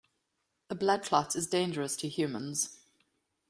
A blood clot is dangerous to humans.